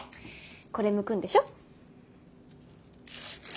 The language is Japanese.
これむくんでしょ？